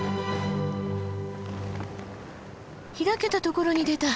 開けたところに出た。